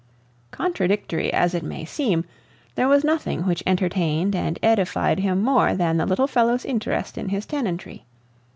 Contradictory as it may seem, there was nothing which entertained and edified him more than the little fellow's interest in his tenantry.